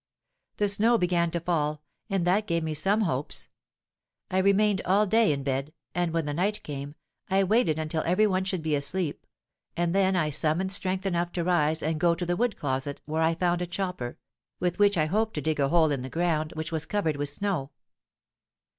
The snow began to fall, and that gave me some hopes. I remained all day in bed, and when the night came, I waited until every one should be asleep, and then I summoned strength enough to rise and go to the wood closet, where I found a chopper, with which I hoped to dig a hole in the ground which was covered with snow.